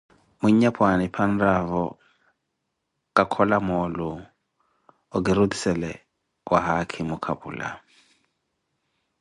Mwinyapwaani phi anraavo ka kola moolu, okirutiisele wa haakhimo kapula.